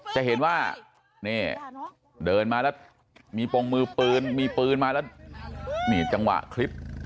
จะเห็นว่านี่เดินมาแล้วมีปงมือปืนมีปืนมาแล้วนี่จังหวะคลิป